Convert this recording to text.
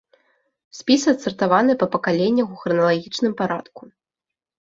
Спіс адсартаваны па пакаленнях у храналагічным парадку.